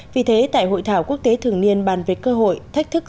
vì thế tại hội thảo quốc tế thường niên bàn về cơ hội thách thức